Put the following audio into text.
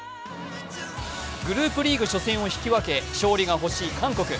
グループリーグ初戦を引き分け勝利が欲しい韓国。